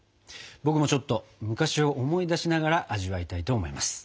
僕もちょっと昔を思い出しながら味わいたいと思います。